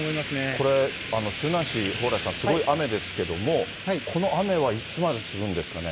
これ、周南市、蓬莱さん、すごい雨ですけども、この雨はいつまで続くんですかね。